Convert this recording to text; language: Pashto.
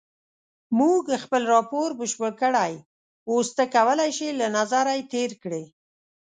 مونږ خپل راپور بشپړ کړی اوس ته کولای شې له نظر یې تېر کړې.